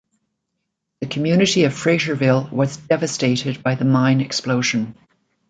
The community of Fraterville was devastated by the mine explosion.